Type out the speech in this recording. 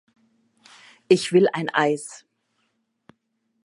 Ich will ein Eis!